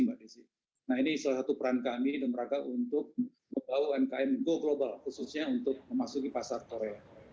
nah ini salah satu peran kami dan mereka untuk membawa umkm go global khususnya untuk memasuki pasar korea